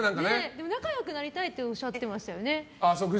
でも仲良くなりたいとおっしゃってましたよね。